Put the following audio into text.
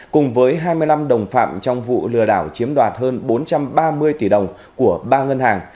cùng với hai mươi năm đồng phạm trong vụ lừa đảo chiếm đoạt hơn bốn trăm ba mươi tỷ đồng của ba ngân hàng